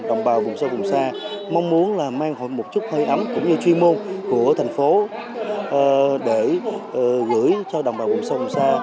đồng bào vùng sâu vùng xa mong muốn là mang một chút hơi ấm cũng như chuyên môn của thành phố để gửi cho đồng bào vùng sâu vùng xa